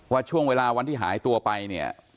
ว่าช่วงเวลาวันที่หายตัวไปเนี่ย